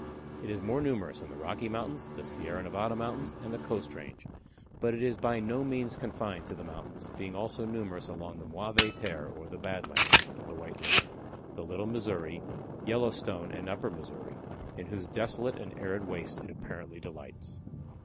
It is more numerous in the Rocky Mountains, the Sierra Nevada Mountains, and the Coast Range, but it is by no means confined to the mountains, being also numerous along the Mauvaises Terres or the "Bad Lands" of the White River, the Little Missouri, Yellowstone, and Upper Missouri, in whose desolate and arid wastes it apparently delights.